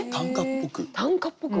短歌っぽく？